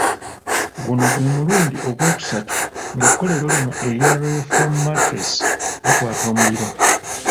Guno gwe mulundi ogwokusatu ng'ekkolero lino erya Royal Foam mattress likwata omuliro.